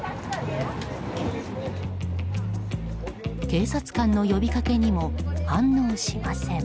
警察官の呼びかけにも反応しません。